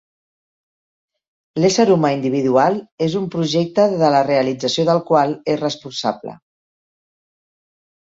L'ésser humà individual és un «projecte» de la realització del qual és responsable.